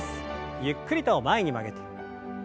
ゆっくりと前に曲げて。